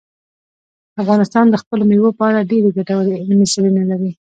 افغانستان د خپلو مېوو په اړه ډېرې ګټورې علمي څېړنې لري.